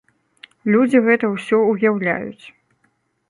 Людзі гэта ўсё ўяўляюць.